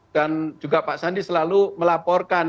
dan juga pak sandi selalu melaporkan